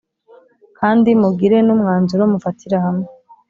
kandi mugire n’umwanzuro mufatira hamwe.